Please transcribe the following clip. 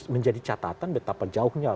menjadi catatan betapa jauhnya